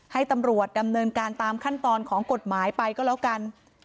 ให้ตำรวจดำเนินการตามขั้นตอนของกฎหมายไปก็แล้วกัน